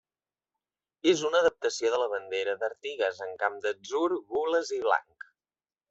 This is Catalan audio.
És una adaptació de la bandera d'Artigas en camp d'atzur, gules i blanc.